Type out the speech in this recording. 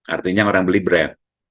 artinya orang beli brand